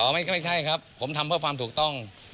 ไม่ใช่ครับผมทำเพื่อความถูกต้อง